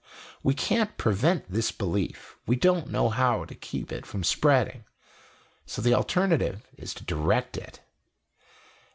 We can't prevent this belief; we don't know how to keep it from spreading. So the alternative is to direct it."